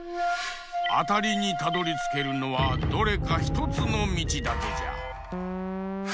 あたりにたどりつけるのはどれかひとつのみちだけじゃ。